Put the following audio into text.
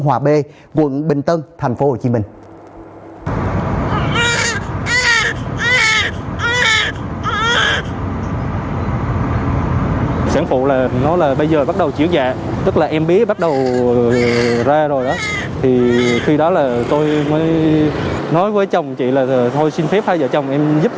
hương hòa b quận bình tân tp hcm